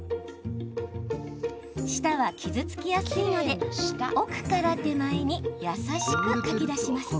舌は傷つきやすいので奥から手前に優しくかき出します。